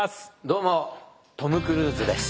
どうもトム・クルーズです。